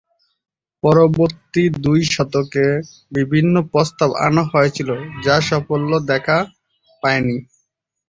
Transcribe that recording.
পরবর্তী দুই দশকে বিভিন্ন প্রস্তাব আনা হয়েছিল, যা সাফল্যের দেখা পায়নি।